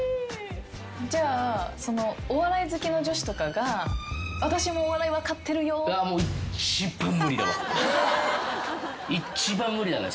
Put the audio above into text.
じゃあお笑い好きの女子とかが「私もお笑い分かってるよ」一番無理だね